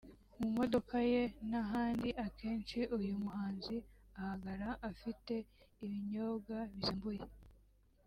mu modoka ye n’ahandi; akenshi uyu muhanzi ahagaragara afite ibinyobwa bisembuye